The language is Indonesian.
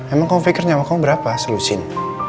emang kamu pikir nyawa kamu berapa selusin